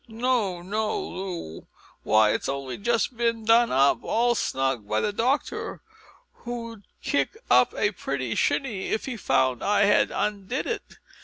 "No, no, Loo; why, it's only just bin done up all snug by the doctor, who'd kick up a pretty shindy if he found I had undid it.